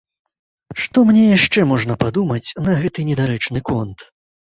Што мне яшчэ можна падумаць на гэты недарэчны конт?